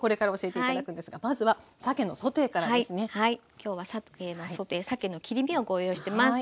今日はさけのソテーさけの切り身をご用意してます。